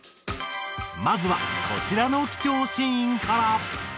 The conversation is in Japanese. まずはこちらの貴重シーンから。